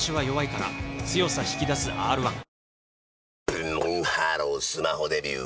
ブンブンハロースマホデビュー！